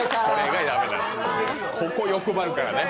ここ欲張るからね。